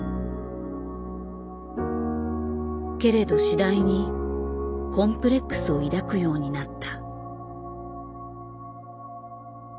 けれど次第にコンプレックスを抱くようになった。